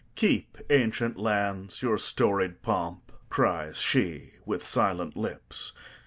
"Keep, ancient lands, your storied pomp!" cries sheWith silent lips.